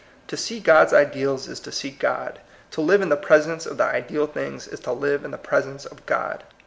To see God's ideals is to see God; to live in the presence of the ideal things is to live in the presence of God.